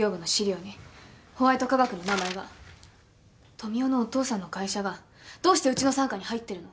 富生のお父さんの会社がどうしてうちの傘下に入ってるの？